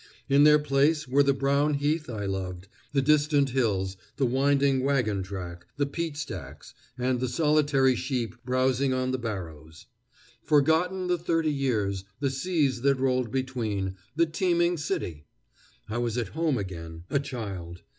In their place were the brown heath I loved, the distant hills, the winding wagon track, the peat stacks, and the solitary sheep browsing on the barrows. Forgotten the thirty years, the seas that rolled between, the teeming city! I was at home again, a child.